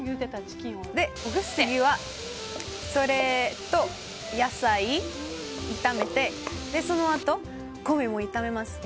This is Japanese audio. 次は、それと野菜を炒めてそのあとお米も炒めます。